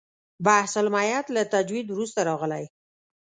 بحث المیت له تجوید وروسته راغلی.